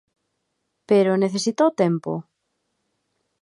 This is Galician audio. Pero, ¿necesita o tempo?